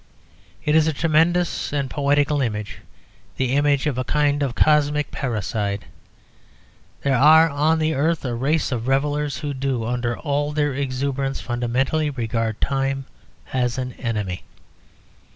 It is a tremendous and poetical image, the image of a kind of cosmic parricide. There are on the earth a race of revellers who do, under all their exuberance, fundamentally regard time as an enemy.